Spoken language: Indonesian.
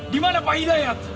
dimana pak hidayat